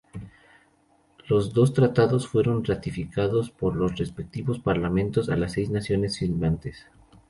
Los dos tratados fueron ratificados por los respectivos Parlamentos de las seis naciones firmantes.